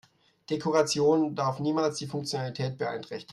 Dekoration darf niemals die Funktionalität beeinträchtigen.